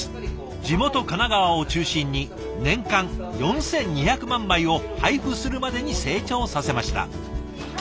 地元神奈川を中心に年間４，２００万枚を配布するまでに成長させました。